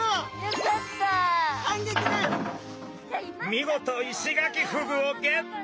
見事イシガキフグをゲット！